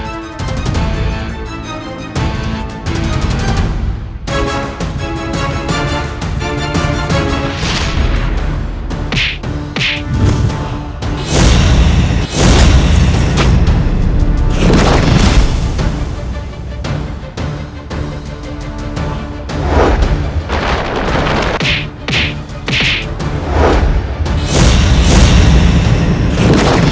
aku tidak ingin berharga bersikap sedih akuit ini